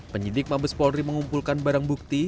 penyidik lima bespolri mengumpulkan barang bukti